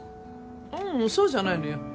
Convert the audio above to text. ううんそうじゃないのよ。